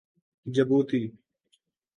Djibouti